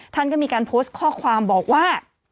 ท่านก็มีการโพสต์ข้อความบอกว่า